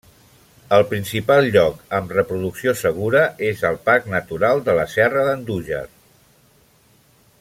El principal lloc amb reproducció segura és al Parc Natural de la Serra d'Andújar.